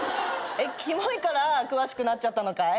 キモいから詳しくなっちゃったのかい？